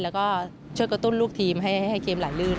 แล้วก็ช่วยกระตุ้นลูกทีมให้เกมไหลลื่น